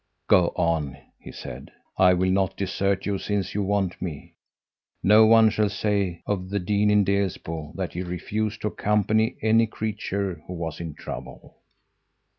'Go on!' he said. 'I will not desert you since you want me. No one shall say of the dean in Delsbo that he refused to accompany any creature who was in trouble.'